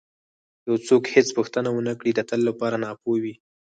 که یو څوک هېڅ پوښتنه ونه کړي د تل لپاره ناپوه وي.